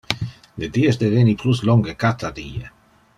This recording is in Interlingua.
Le dies deveni plus longe cata die.